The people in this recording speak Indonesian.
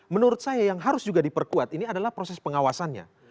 menurut saya yang harus juga diperkuat ini adalah proses pengawasannya